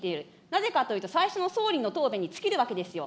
なぜかというと、最初の総理の答弁に尽きるわけですよ。